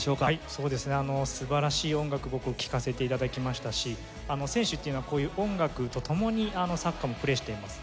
そうですね素晴らしい音楽僕聴かせて頂きましたし選手っていうのはこういう音楽と共にサッカーもプレーしています。